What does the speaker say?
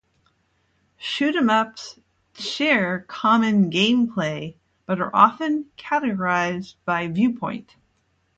Shoot 'em ups share common gameplay, but are often categorized by viewpoint.